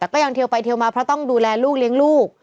แต่ก็ยังเทียวไปเทียวมาเพราะต้องดูแลลูกเลี้ยงลูก